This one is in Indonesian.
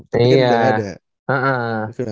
tapi kan gak ada